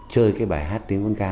chơi cái bài hát tiến quân ca